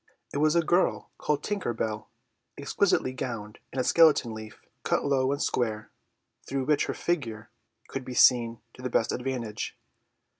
It was a girl called Tinker Bell exquisitely gowned in a skeleton leaf, cut low and square, through which her figure could be seen to the best advantage.